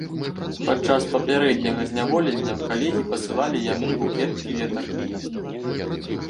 Падчас папярэдняга зняволення калегі пасылалі яму букеты кветак.